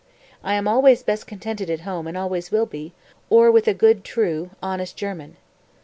I am always best contented at home and always will be, or with a good, true, honest German."